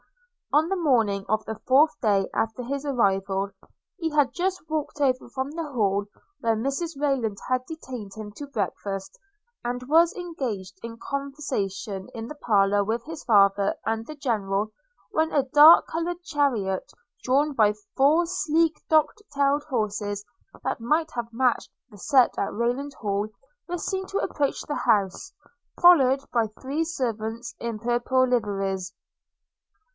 On the morning of the fourth day after his arrival, he had just walked over from the Hall, where Mrs Rayland had detained him to breakfast, and was engaged in conversation in the parlour with his father and the General, when a dark coloured chariot, drawn by four sleek dock tailed horses that might have matched the set at Rayland Hall, was seen to approach the house, followed by three servants in purple liveries.